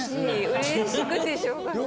うれしくてしょうがない。